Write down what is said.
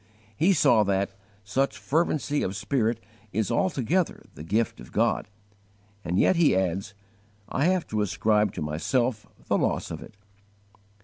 He saw that "such fervency of spirit is altogether the gift of God," and yet he adds, "I have to ascribe to myself the loss of it."